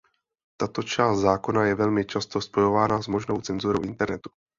Tato část zákona je velmi často spojována s možnou cenzurou internetu.